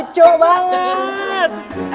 terima kasih banget